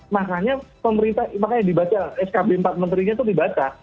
makanya skb empat menterinya itu dibaca